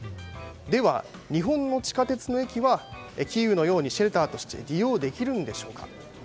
では、日本の地下鉄の駅はキーウのようにシェルターとして利用できるんでしょうか。